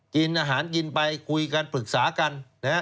กินอาหารกินไปคุยกันปรึกษากัน